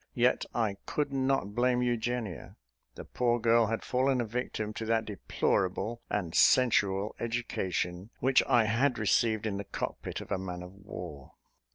Yet I could not blame Eugenia; the poor girl had fallen a victim to that deplorable and sensual education which I had received in the cockpit of a man of war.